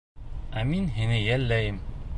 — Ә мин һине йәлләйем.